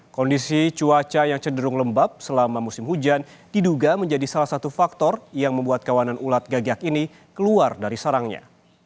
kondisi cuaca yang cenderung lembab selama musim hujan diduga menjadi salah satu faktor yang membuat kawanan ulat gagak ini keluar dari sarangnya